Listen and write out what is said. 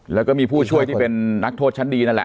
แล้วก็มีผู้ช่วยที่เป็นนักโทษชั้นดีนั่นแหละ